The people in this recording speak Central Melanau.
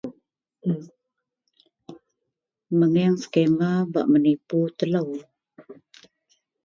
Mengenang sekemer bak menipu telou